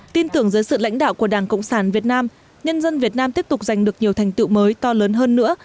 tin tưởng dưới sự lãnh đạo của đảng cộng sản việt nam nhân dân việt nam tiếp tục giành được nhiều thành tựu mới to lớn hơn nữa